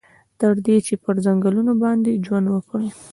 تر دې چې پر ځنګنونو باندې ژوند وکړي.